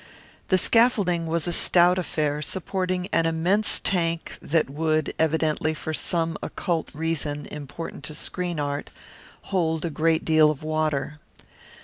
The scaffolding was a stout affair supporting an immense tank that would, evidently for some occult reason important to screen art, hold a great deal of water.